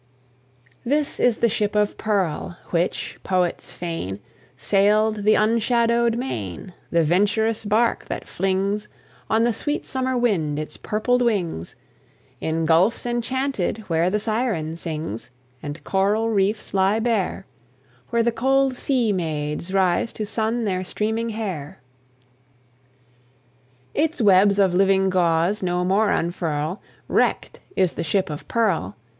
(1809 94.) This is the ship of pearl, which, poets feign, Sailed the unshadowed main, The venturous bark that flings On the sweet summer wind its purpled wings In gulfs enchanted, where the Siren sings, And coral reefs lie bare, Where the cold sea maids rise to sun their streaming hair. Its webs of living gauze no more unfurl; Wrecked is the ship of pearl!